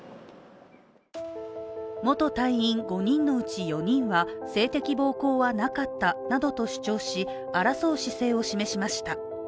元隊員５人のうち４人は、性的暴行はなかったなどと主張し争う姿勢を示しました。